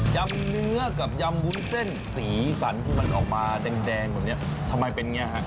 ยำเนื้อกับยำวุ้นเส้นสีสันที่มันออกมาแดงแบบนี้ทำไมเป็นอย่างนี้ฮะ